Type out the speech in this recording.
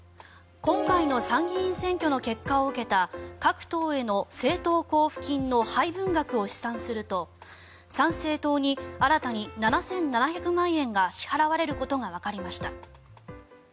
今回の参議院選挙の結果を受けた各党への政党交付金の配分額を試算すると参政党に新たに７７００万円が支払われることがわかりました。